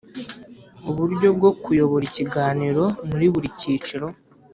Uburyo bwo kuyobora i kiganiro muri buri cyiciro